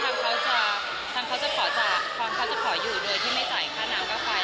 แต่ว่าความเขาจะขออยู่โดยที่ไม่จ่ายค่าน้ำค่าไฟ